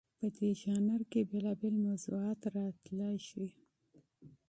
په دې ژانر کې بېلابېل موضوعات راتلی شي.